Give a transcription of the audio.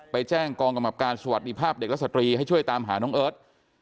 ไปแจ้งกองกำกับการสวัสดีภาพเด็กและสตรีให้ช่วยตามหาน้องเอิร์ท